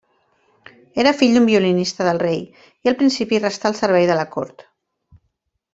Era fill d'un violinista del rei, i al principi restà al servei de la cort.